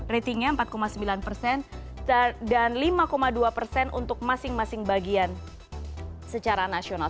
ratingnya empat sembilan persen dan lima dua persen untuk masing masing bagian secara nasional